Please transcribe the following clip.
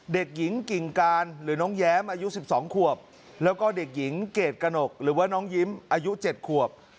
เด็กหญิงกิ่งการหรือน้องแย้มอายุ๑๒ขวบแล้วก็เด็กหญิงเกรดกระหนกหรือว่าน้องยิ้มอายุ๗ขวบ